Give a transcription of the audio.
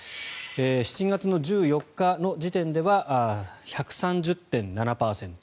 ７月１４日の時点では１３０．７％。